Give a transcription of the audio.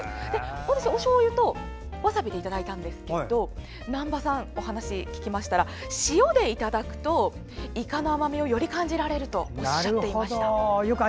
私は、おしょうゆとわさびでいただいたんですけど難波さんにお話を聞きましたら塩でいただくとイカの甘みをより感じられるとおっしゃっていました。